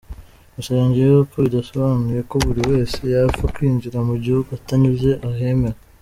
Gusa yongeyeho ko bidasobanuye ko buri wese yapfa kwinjira mu gihugu atanyuze ahemewe.